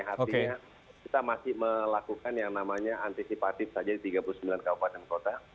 artinya kita masih melakukan yang namanya antisipatif saja di tiga puluh sembilan kabupaten kota